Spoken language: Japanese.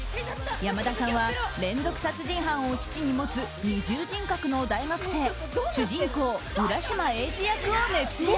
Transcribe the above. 山田さんは連続殺人犯を父に持つ二重人格の大学生主人公・浦島エイジ役を熱演。